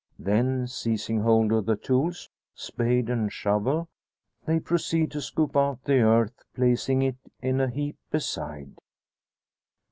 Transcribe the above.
Then, seizing hold of the tools spade and shovel they proceed to scoop out the earth, placing it in a heap beside.